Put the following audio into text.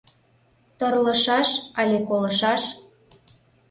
Тырлышаш але колышаш?